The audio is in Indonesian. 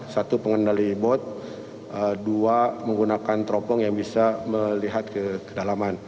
satu pengendali bot dua menggunakan teropong yang bisa melihat ke kedalaman